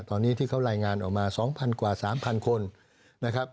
ตอนนี้ที่เขารายงานออกมา๒๐๐กว่า๓๐๐คนนะครับ